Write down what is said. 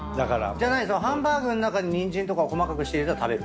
ハンバーグの中にニンジンとかを細かくして入れたら食べる？